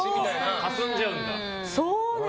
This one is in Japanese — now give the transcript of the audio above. かすんじゃうんだ。